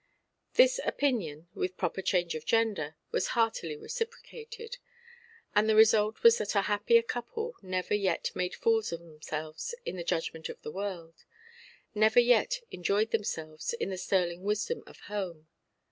This opinion (with proper change of gender) was heartily reciprocated, and the result was that a happier couple never yet made fools of themselves, in the judgment of the world; never yet enjoyed themselves, in the sterling wisdom of home.